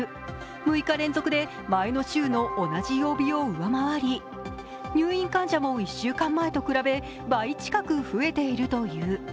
６日連続で前の週の同じ曜日を上回り入院患者も１週間前と比べ倍近く増えているという。